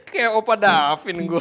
kayak opa dafin gue